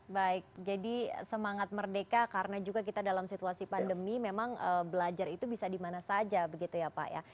baik jadi semangat merdeka karena juga kita dalam situasi pandemi memang belajar itu bisa dimana saja begitu ya pak ya